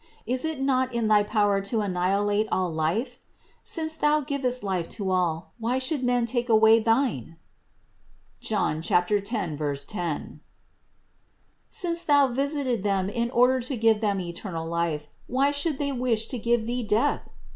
Is it not in thy power to anni hilate all life? Since Thou givest life to all, why should men take away thine? (John 10, 10). Since Thou visited them in order to give them eternal life, why should they wish to give Thee death?